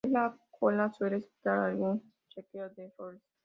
En la cola suele estar algún chequeo de errores.